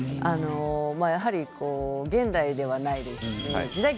やはり現代ではないですし時代劇、